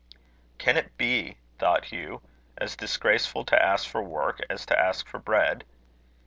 "Can it be," thought Hugh, "as disgraceful to ask for work as to ask for bread?"